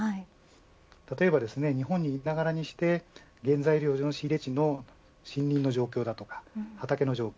例えば、日本に居ながらにして原材料仕入れ地の森林の状況や畑の状況